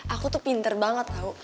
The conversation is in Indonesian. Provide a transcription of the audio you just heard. aku tuh pinter banget loh